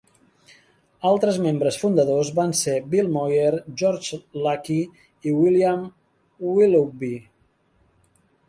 Altres membres fundadors van ser Bill Moyer, George Lakey i Lillian Willoughby.